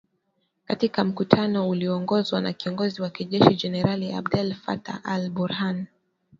katika mkutano ulioongozwa na kiongozi wa kijeshi generali Abdel Fattah al- Burhan